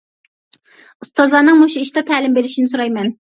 ئۇستازلارنىڭ مۇشۇ ئىشتا تەلىم بېرىشىنى سورايمەن.